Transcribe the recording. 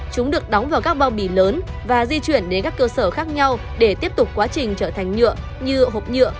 chúng được đóng vào các bao bì lớn và di chuyển đến các cơ sở khác nhau để tiếp tục quá trình trở thành nhựa như hộp nhựa